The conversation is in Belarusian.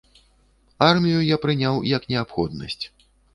Армію я прыняў як неабходнасць.